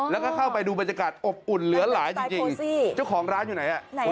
แล้วก็เข้าไปดูบรรยากาศอบอุ่นเหลือหลายจริงเจ้าของร้านอยู่ไหนอ่ะไหน